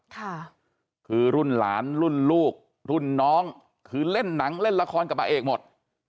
ค่ะคือรุ่นหลานรุ่นลูกรุ่นน้องคือเล่นหนังเล่นละครกับพระเอกหมด